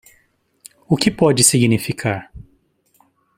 O que pode significar?